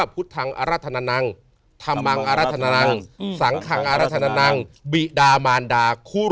พุทธังอรรฐานานังค์